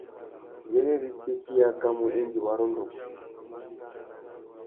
Iyênêritsessi i akamú indi wa rôndô wussi.